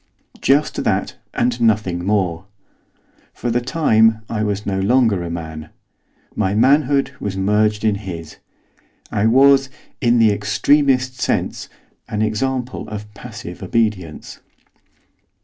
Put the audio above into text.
Just that, and nothing more. For the time I was no longer a man; my manhood was merged in his. I was, in the extremest sense, an example of passive obedience.